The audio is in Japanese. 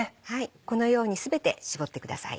このように全て搾ってください。